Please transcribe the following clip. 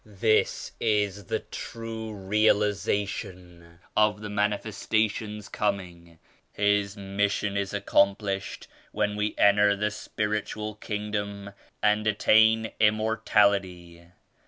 This is the true realization of the Manifestation's Coming. His Mission is accomplished when we enter the Spiritual Kingdom and attain Immortality.